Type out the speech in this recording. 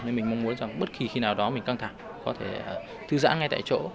nên mình mong muốn rằng bất kỳ khi nào đó mình căng thẳng có thể thư giãn ngay tại chỗ